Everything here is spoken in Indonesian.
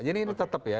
jadi ini tetap ya